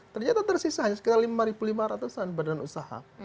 ternyata tersisa hanya sekitar lima lima ratus an badan usaha